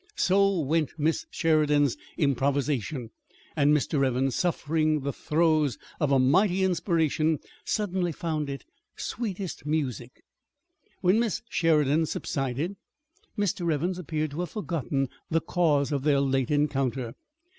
So went Miss Sheridan's improvisation and Mr. Evans, suffering the throes of a mighty inspiration, suddenly found it sweetest music. When Miss Sheridan subsided, Mr. Evans appeared to have forgotten the cause of their late encounter.